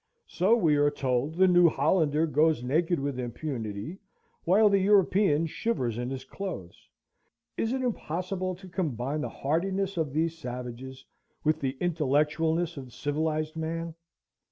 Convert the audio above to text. So, we are told, the New Hollander goes naked with impunity, while the European shivers in his clothes. Is it impossible to combine the hardiness of these savages with the intellectualness of the civilized man?